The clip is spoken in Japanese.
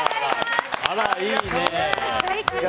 あら、いいね。